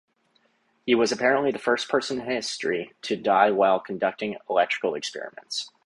He was apparently the first person in history to die while conducting electrical experiments.